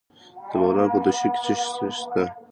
د بغلان په دوشي کې څه شی شته؟